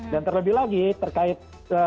dan terlebih lagi terkait